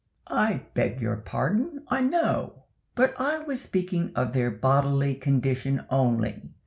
"I beg your pardon, I know. But I was speaking of their bodily condition only.